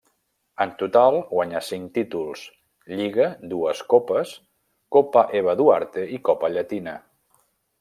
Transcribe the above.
En total guanyà cinc títols, Lliga, dues Copes, Copa Eva Duarte i Copa Llatina.